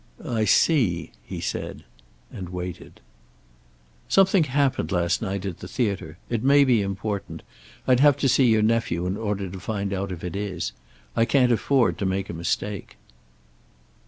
"I see," he said. And waited. "Something happened last night at the theater. It may be important. I'd have to see your nephew, in order to find out if it is. I can't afford to make a mistake."